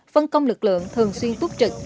phân công lực lượng thường xuyên túc trực